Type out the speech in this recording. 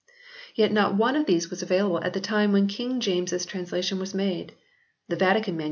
Yet not one of these was available at the time when King James s translation was made. The Vatican MS.